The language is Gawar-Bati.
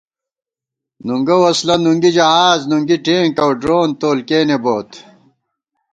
نُنگہ وسلہ نُنگی جہاز نُنگی ٹېنک اؤ ڈرون تول کېنےبوت